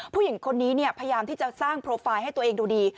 ผู้หญิงคนนี้พยายามที่จะสร้างโปรไฟล์ให้ตัวเองดูดี